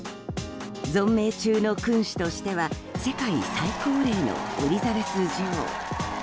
存命中の君主としては世界最高齢のエリザベス女王。